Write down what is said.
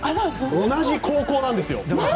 同じ高校なんですよ。